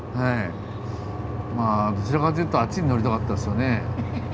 まあどちらかというとあっちに乗りたかったですよね。